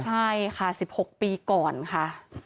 ใช่ค่ะ๑๖ปีก่อนค่ะ